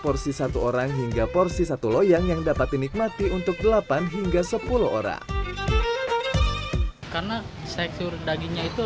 porsi satu orang hingga porsi satu loyang yang dapat dinikmati untuk delapan hingga sepuluh orang karena sekstur dagingnya itu